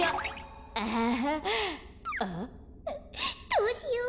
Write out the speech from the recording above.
どうしよう。